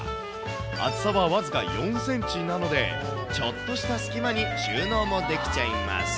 厚さは僅か４センチなので、ちょっとした隙間に収納もできちゃいます。